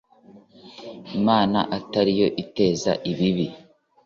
imana atari yo iteza ibibi